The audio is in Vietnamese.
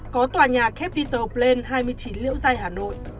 có tòa nhà capital bland hai mươi chín liễu giai hà nội